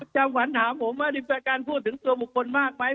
จำขวัญถามผมว่านี่เป็นการพูดถึงตัวบุคคลมากไหม